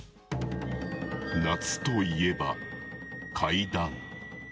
夏といえば怪談。